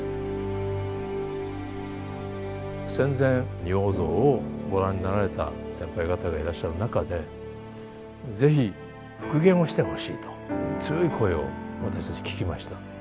戦前仁王像をご覧になられた先輩方がいらっしゃる中で是非復元をしてほしいと強い声を私たち聞きました。